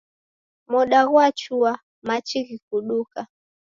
Moda ghwachua, machi ghikuduka.